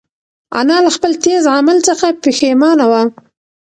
انا له خپل تېز عمل څخه پښېمانه وه.